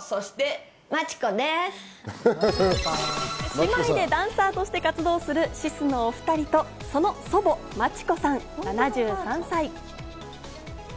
姉妹でダンサーとして活躍するＳＩＳのお２人とその祖母・町子さん７３歳。